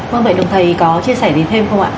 vâng vậy đồng thầy có chia sẻ đến thêm không ạ